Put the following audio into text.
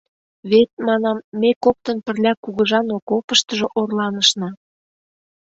Вет, манам, ме коктын пырля кугыжан окопыштыжо орланышна.